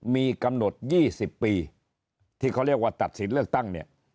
มีกำหนด๒๐ปีที่เขาเรียกว่าตัดสินเลือกตั้งเนี่ย